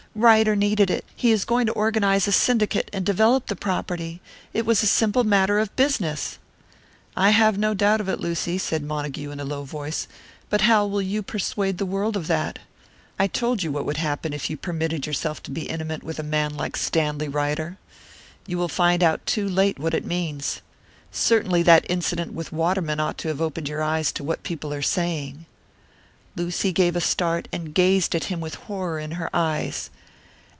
Ryder needed it. He is going to organise a syndicate, and develop the property. It was a simple matter of business." "I have no doubt of it, Lucy," said Montague, in a low voice, "but how will you persuade the world of that? I told you what would happen if you permitted yourself to be intimate with a man like Stanley Ryder. You will find out too late what it means. Certainly that incident with Waterman ought to have opened your eyes to what people are saying." Lucy gave a start, and gazed at him with horror in her eyes.